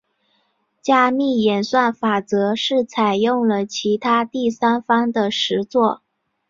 加密演算法则是采用了其他第三方的实作。